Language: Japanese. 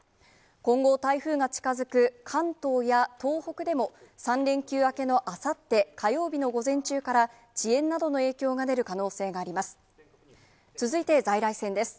今後、台風が近づく関東や東北でも、３連休明けのあさって火曜日の午前中から、遅延などの影響が出る可能性があります。